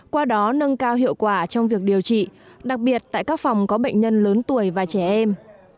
qua đó nâng cao hiệu quả trong việc điều trị đặc biệt tại các phòng có bệnh nhân lớn tuổi và trẻ em